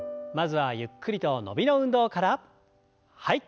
はい。